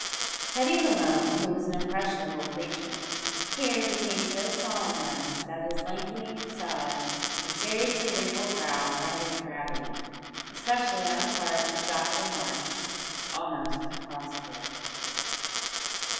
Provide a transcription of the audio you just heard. Teddy Malone, who was an impressionable creature, here became so solemnised that his lengthening visage and seriously wrinkled brow rendered gravity especially on the part of Dr Marsh almost impossible.